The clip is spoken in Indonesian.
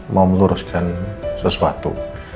mau meluruskan sesuatu